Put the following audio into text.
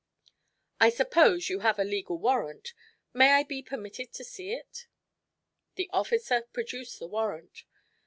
I suppose you have a legal warrant. May I be permitted to see it?" The officer produced the warrant.